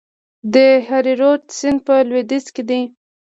د هریرود سیند په لویدیځ کې دی